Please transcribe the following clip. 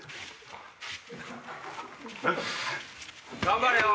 頑張れよ。